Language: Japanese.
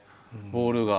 ボールが。